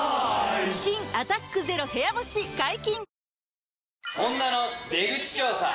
新「アタックＺＥＲＯ部屋干し」解禁‼